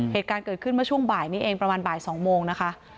เหตุการณ์เกิดขึ้นเมื่อช่วงบ่ายนี้เองประมาณบ่าย๒โมงนะคะ